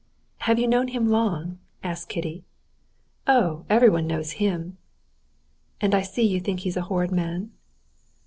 "Have you known him long?" asked Kitty. "Oh, everyone knows him!" "And I see you think he's a horrid man?"